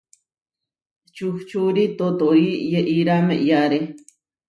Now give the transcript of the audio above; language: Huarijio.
Čuhčúri totóri yeʼíra meʼyáre.